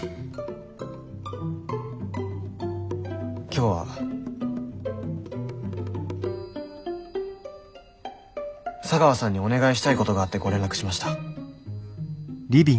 今日は茶川さんにお願いしたいことがあってご連絡しました。